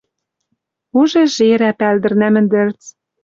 Уже жерӓ пӓлдӹрнӓ мӹндӹрц.